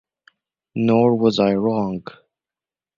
Nor was I wrong.